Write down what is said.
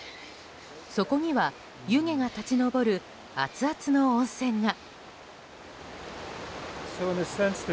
そこには湯気が立ち上るアツアツの温泉が。